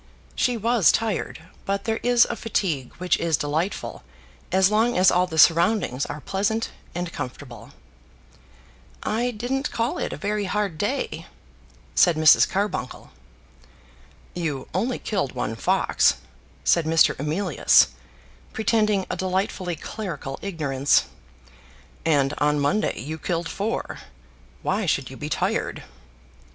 She was tired, but there is a fatigue which is delightful as long as all the surroundings are pleasant and comfortable. "I didn't call it a very hard day," said Mrs. Carbuncle. "You only killed one fox," said Mr. Emilius, pretending a delightfully clerical ignorance, "and on Monday you killed four. Why should you be tired?"